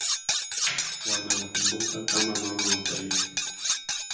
wanamkumbuka kama Mama wa Taifa